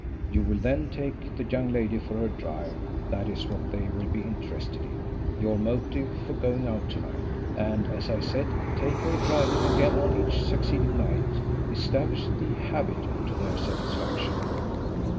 You will then take the young lady for her drive that is what they will be interested in your motive for going out to night. And, as I said, take her driving again on each succeeding night establish the HABIT to their satisfaction."